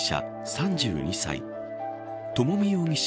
３２歳朝美容疑者